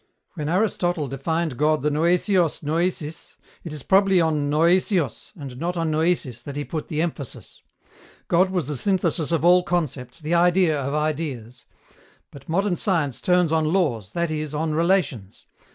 When Aristotle defined God the [Greek: noêseôs noêsis], it is probably on [Greek: noêseôs], and not on [Greek: noêsis] that he put the emphasis. God was the synthesis of all concepts, the idea of ideas. But modern science turns on laws, that is, on relations.